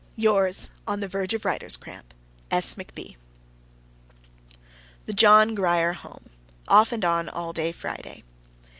Yours, On the verge of writer's cramp, S. McB. THE JOHN GRIER HOME, Off and on, all day Friday.